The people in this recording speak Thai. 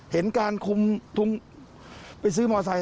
เห็นการคุมถุงไปซื้อมอไซค